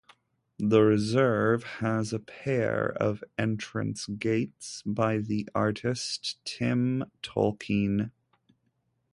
The reserve has a pair of entrance gates by the artist Tim Tolkien.